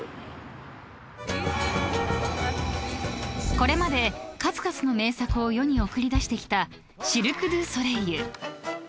［これまで数々の名作を世に送り出してきたシルク・ドゥ・ソレイユ］